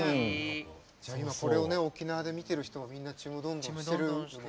じゃあ今これをね沖縄で見てる人はみんなちむどんどんしてる。